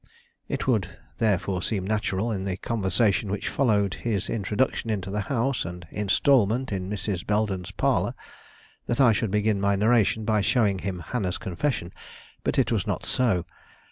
It would therefore seem natural, in the conversation which followed his introduction into the house and installment in Mrs. Belden's parlor, that I should begin my narration by showing him Hannah's confession; but it was not so.